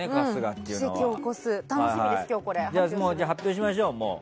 じゃあ、発表しましょう。